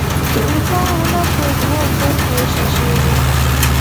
د اروپا غرونه په دوه برخو ویشل شوي دي.